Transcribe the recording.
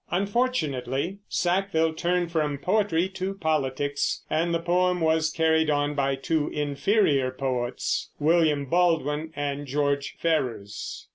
Unfortunately Sackville turned from poetry to politics, and the poem was carried on by two inferior poets, William Baldwin and George Ferrers.